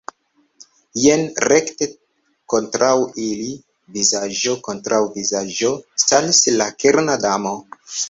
Jen, rekte kontraŭ ili, vizaĝo kontraŭ vizaĝo, staris la Kera Damo.